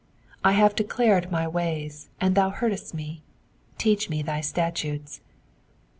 26 I have declared my ways, and thou heardest me : teach me thy statutes.